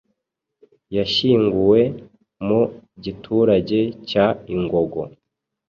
Yashyinguwe mu giturage cya Ingogo